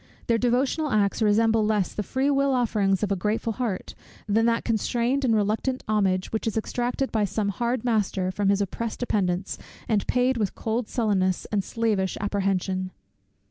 Their devotional acts resemble less the free will offerings of a grateful heart, than that constrained and reluctant homage, which is exacted by some hard master from his oppressed dependents, and paid with cold sullenness, and slavish apprehension.